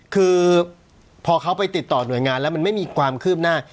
คือพอเขาไปติดต่อหน่วยงานแล้วมันไม่มีความคืบหน้า